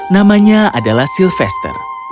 namanya adalah sylvester